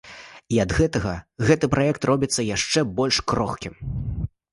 І ад гэтага гэты праект робіцца яшчэ больш крохкім.